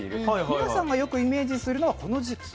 皆さんがよくイメージするのはこの時期。